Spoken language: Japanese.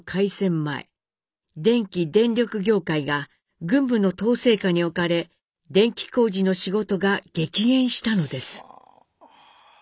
前電気・電力業界が軍部の統制下に置かれ電気工事の仕事が激減したのです。